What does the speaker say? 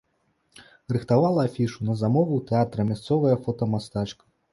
Рыхтавала афішу на замову тэатра мясцовая фотамастачка.